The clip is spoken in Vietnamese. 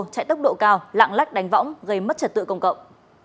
chạy tốc độ cao lạng lách đánh võng gây mất trật tự công cộng